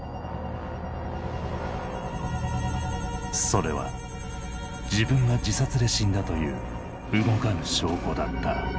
それは自分が自殺で死んだという動かぬ証拠だった。